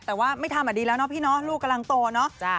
แต่ว่าไม่ทำอ่ะดีแล้วเนาะพี่เนาะลูกกำลังโตเนอะ